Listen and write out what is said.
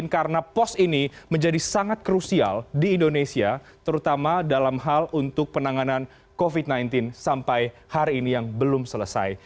karena pos ini menjadi sangat krusial di indonesia terutama dalam hal untuk penanganan covid sembilan belas sampai hari ini yang belum selesai